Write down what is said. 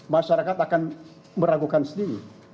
masyarakat akan meragukan sendiri